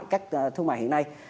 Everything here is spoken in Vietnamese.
các thương mại hiện nay